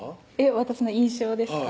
私の印象ですか？